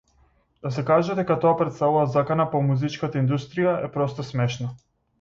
Да се каже дека тоа претставува закана по музичката индустрија е просто смешно.